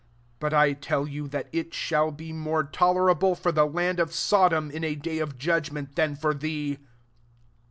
24 But I tell you, that it shall be more tolerable for the land of Sodom in a day of judgment, than for thee."